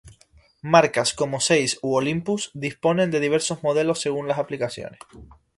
Marcas como Zeiss o Olympus disponen de diversos modelos según las aplicaciones.